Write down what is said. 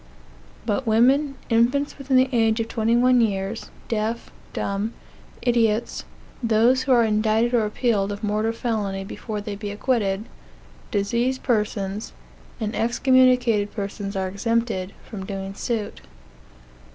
But women, infants within the age of twenty one years, deaf, dumb, idiots, those who are indicted or appealed of mortal felony, before they be acquitted, diseased persons, and excommunicated persons are exempted from doing suit."